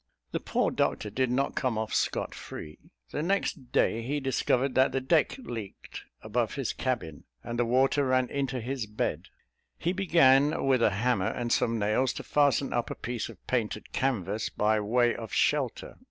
'" The poor doctor did not come off scot free; the next day, he discovered that the deck leaked over his cabin, and the water ran into his bed. He began, with a hammer and some nails, to fasten up a piece of painted canvas, by way of shelter.